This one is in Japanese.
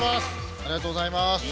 ありがとうございます。